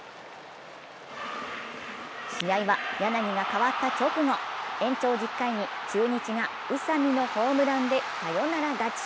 試合は柳が代わった直後、延長１０回に中日が宇佐見のホームランでサヨナラ勝ち。